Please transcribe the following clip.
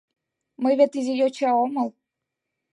Мый вет изи йоча омыл...